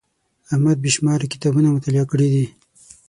احمد بې شماره کتابونه مطالعه کړي دي.